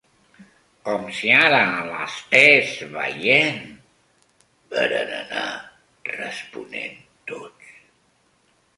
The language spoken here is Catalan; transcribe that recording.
Com si ara l'estès veient…- varen anar responent tots.